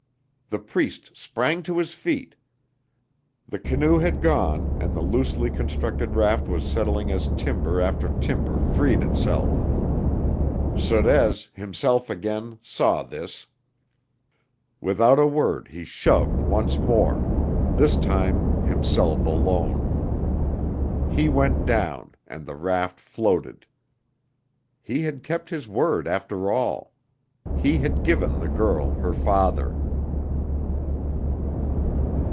The Priest sprang to his feet. The canoe had gone and the loosely constructed raft was settling as timber after timber freed itself. Sorez, himself again, saw this. Without a word he shoved once more, this time himself alone. He went down and the raft floated. He had kept his word after all; he had given the girl her father.